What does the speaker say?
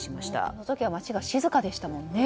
この時は街が静かでしたもんね。